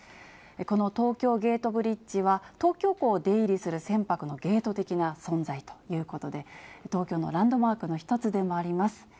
この東京ゲートブリッジは、東京都を出入りする船舶のゲート的な存在ということで、東京のランドマークの一つでもあります。